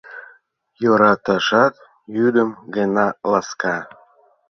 Йӧраташат йӱдым гына ласка.